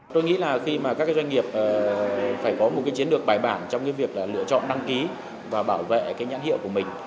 tôi nghĩ là khi mà các doanh nghiệp phải có một cái chiến lược bài bản trong cái việc là lựa chọn đăng ký và bảo vệ cái nhãn hiệu của mình